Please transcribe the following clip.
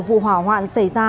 vụ hỏa hoạn xảy ra